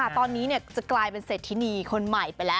ตอนนี้จะกลายเป็นเศรษฐินีคนใหม่ไปแล้ว